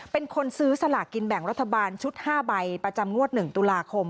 เป็นคนซื้อสลากกินแบ่งรัฐบาลชุด๕ใบประจำงวด๑ตุลาคม